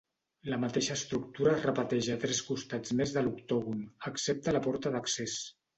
La mateixa estructura es repeteix a tres costats més de l'octògon, excepte la porta d'accés.